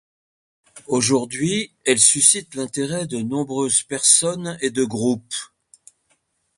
Aujourd'hui, elle suscite l'intérêt de nombreuses personnes et de groupes.